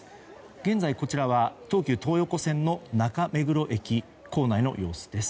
現在、こちらは東急東横線の中目黒駅構内の様子です。